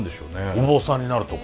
お坊さんになるとか？